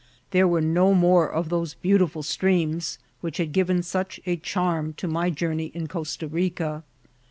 There were no more of those beautiful streams which had given such a charm to my journey in Costa Rica.